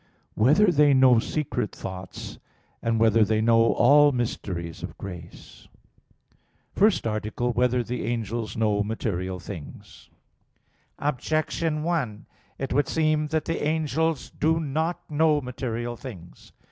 (4) Whether they know secret thoughts? (5) Whether they know all mysteries of grace? _______________________ FIRST ARTICLE [I, Q. 57, Art. 1] Whether the Angels Know Material Things? Objection 1: It would seem that the angels do not know material things.